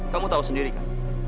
kamu tahu sendiri kan